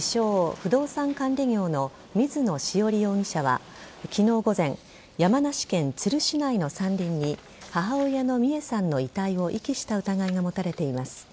・不動産管理業の水野潮理容疑者は昨日午前山梨県都留市内の山林に母親の美恵さんの遺体を遺棄した疑いが持たれています。